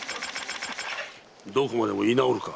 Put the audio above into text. どこまでも居直るか。